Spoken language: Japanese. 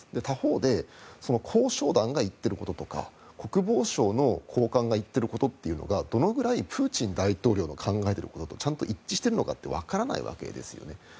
他方で交渉団が言っていることとか国防省の高官が言っていることというのがどのくらいプーチン大統領の考えていることとちゃんと一致しているのかわからないわけですよね。